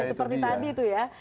seperti tadi tuh ya